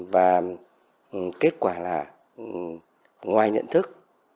và kết quả là ngoài nhận thức